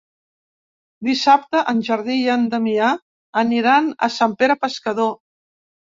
Dissabte en Jordi i en Damià aniran a Sant Pere Pescador.